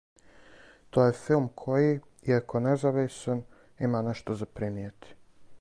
То је филм који, иако независан, има нешто за пренијети.